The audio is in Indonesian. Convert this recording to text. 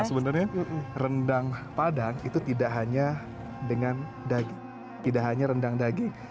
sebenarnya rendang padang itu tidak hanya dengan daging tidak hanya rendang daging